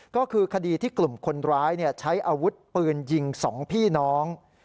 ก็คือคดีที่กลุ่มคนร้ายใช้อาวุธปืนยิง๒พี่น้อง